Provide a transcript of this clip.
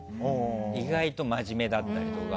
意外と真面目だったりとか。